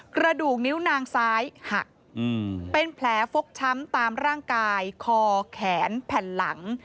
กระดูกนิ้วนางซ้ายหักเป็นแผลฟกช้ำตามร่างกายคอแขนแผ่นหลัง